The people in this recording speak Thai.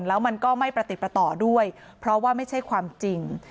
แล้วมันก็ไม่ประติดประต่อด้วยเพราะว่าไม่ใช่ความจริง